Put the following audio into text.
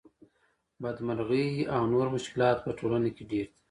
بدمرغۍ او نور مشکلات په ټولنه کې ډېر دي